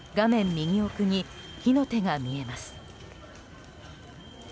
右奥に火の手が見えます。